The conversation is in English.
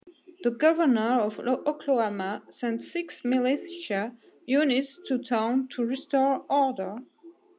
The Governor of Oklahoma sent six militia units to town to restore order.